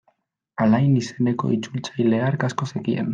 Alain izeneko itzultzaile hark asko zekien.